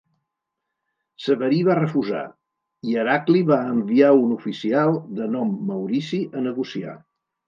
Severí va refusar, i Heracli va enviar un oficial de nom Maurici a negociar.